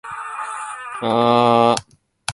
引き手をまだ持っている大外から巻き込み、大外巻き込み。